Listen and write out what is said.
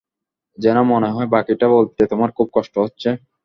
যেন মনে হয়, বাকিটা বলতে তোমার খুব কষ্ট হচ্ছে।